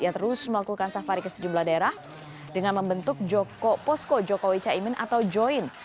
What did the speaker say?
yang terus melakukan safari ke sejumlah daerah dengan membentuk posko jokowi caimin atau join